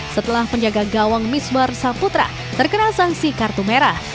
setelah penjaga gawang misbar saputra terkena sanksi kartu merah